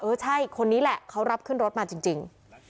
ใช่คนนี้แหละเขารับขึ้นรถมาจริง